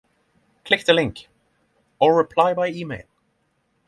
Click the link, or reply by email.